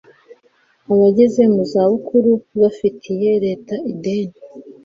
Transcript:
abageze mu za bukuru bafitiye leta ideni